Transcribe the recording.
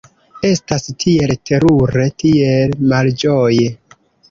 Estas tiel terure, tiel malĝoje!